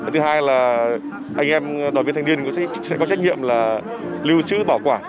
thứ hai là anh em đoàn viên thanh niên sẽ có trách nhiệm là lưu trữ bảo quản